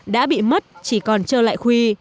đã bị mất chỉ còn trơ lại khuy